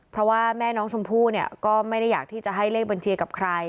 เพราะว่าแม่น้องชมพู่เนี่ยก็ไม่ได้อยากที่จะให้เลขบัญชีกับใคร